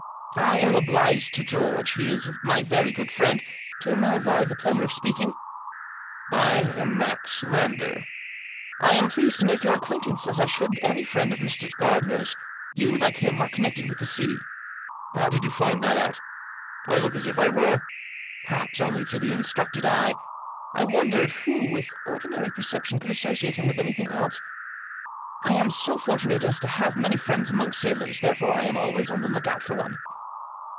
" I am obliged to George ; he is my very good friend . To whom have I the pleasure of speaking ?"" I'm Max Lander." "I am pleased to make your acquaintance, as I should any friend of Mr. Gardiner's. You, like him, are connected with the sea." "How did you find that out? Do I look as if I were ?"" Perhaps only to the instructed eye." I wondered Digitized by THE RETICENCE OF CAPTAIN LANDBB. 173 who, with ordinary perception, could associate him with anything else. "I am so fortunate as to have many friends among sailors, therefore I am always on the look out for one."